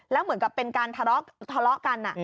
แล้วเหมือนกับเป็นการทะเลาะกัน